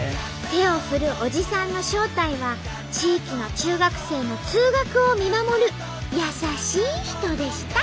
手を振るおじさんの正体は地域の中学生の通学を見守る優しい人でした。